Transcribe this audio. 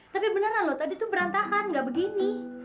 tapi beneran loh tadi tuh berantakan gak begini